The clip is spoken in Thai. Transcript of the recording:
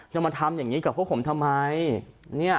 จะมาทำอย่างนี้กับพวกผมทำไม